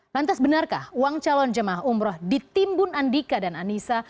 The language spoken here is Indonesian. lantas benarkah uang calon jemaah umroh ditimbun andika dan anissa